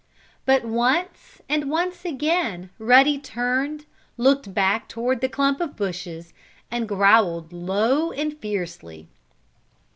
But once, and once again, Ruddy turned, looked back toward the clump of bushes, and growled low and fiercely.